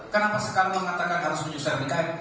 kenapa sekarang mengatakan harus menyusahkan ikn